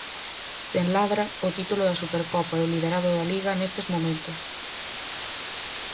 Sen Ladra, o título da Supercopa e o liderado da Liga nestes momentos.